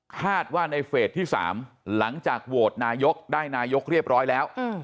คาดว่าในเฟสที่๓หลังจากโหวตนายกได้นายกเรียบร้อยแล้ว